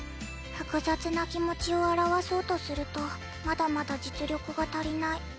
複雑な気持ちを表そうとするとまだまだ実力が足りない。